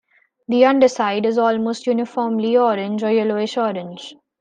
The underside is almost uniformly orange or yellowish-orange.